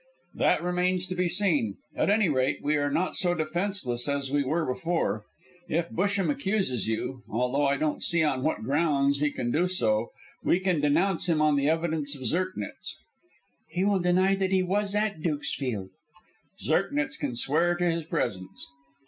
"That remains to be seen. At any rate, we are not so defenceless as we were before. If Busham accuses you although I don't see on what grounds he can do so we can denounce him on the evidence of Zirknitz." "He will deny that he was at Dukesfield." "Zirknitz can swear to his presence."